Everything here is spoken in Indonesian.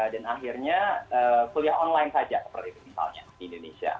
dan akhirnya kuliah online saja seperti itu misalnya di indonesia